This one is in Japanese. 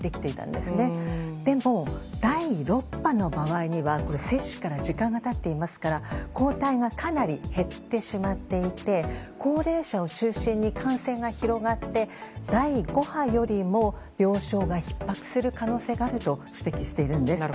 でも、第６波の場合には接種から時間が経っていますから抗体がかなり減ってしまっていて高齢者を中心に感染が広がって第５波よりも病床がひっ迫する可能性があると指摘しているんです。